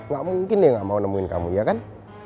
gak mungkin dia gak mau nemuin kamu iya kan